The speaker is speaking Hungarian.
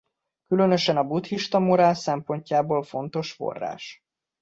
Különösen a buddhista morál szempontjából fontos forrás.